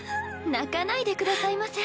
泣かないでくださいませ。